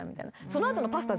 その後のパスタ